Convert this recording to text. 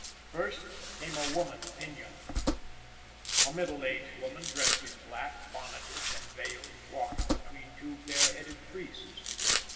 First came a woman pinioned. A middle aged woman, dressed in black, bonnetted and veiled, walking between two bare headed priests.